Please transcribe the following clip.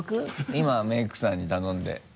今メイクさんに頼んで。